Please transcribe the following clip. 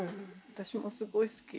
私もすごい好き。